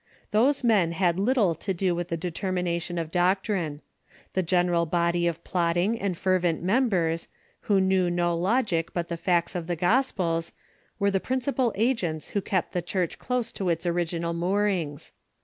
''J'hose men had little to do Avith the determination of doc trine. The general body of plodding and fervent members, who knew no logic but the facts of the Gospels, were the principal agents Avho kept the Church close to its original moorings.